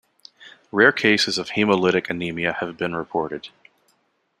Rare cases of hemolytic anemia have been reported.